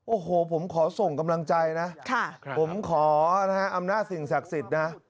โอ้โหผมขอส่งกำลังใจนะผมขอนะฮะอำนาจสิ่งศักดิ์สิทธิ์นะ